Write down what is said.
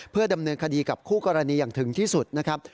เพื่อดำเนินคดีกับคู่กรณีอย่างถึงที่สุดนะครับ